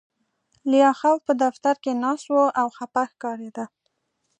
لیاخوف په دفتر کې ناست و او خپه ښکارېده